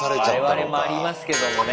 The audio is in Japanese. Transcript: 我々もありますけどもね。